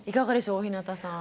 大日向さん。